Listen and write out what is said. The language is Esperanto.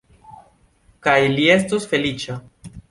Kaj li estos feliĉa!